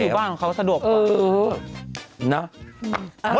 ให้อยู่บ้างของเขาสะดวกกว่าเนอะนะดีนะแหละโอโห